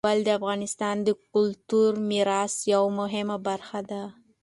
کابل د افغانستان د کلتوري میراث یوه مهمه برخه ده.